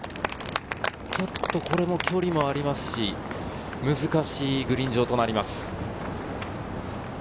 ちょっと、これも距離もありますし、難しいグリーン上となります。